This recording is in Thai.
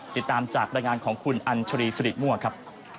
ติดตามจากรายงานของคุณอัญชรีสริมั่วครับ